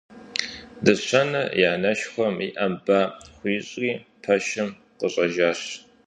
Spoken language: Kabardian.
Дыщэнэ и анэшхуэм и Ӏэм ба хуищӀри, пэшым къыщӀэжащ.